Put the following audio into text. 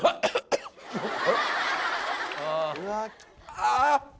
ああ。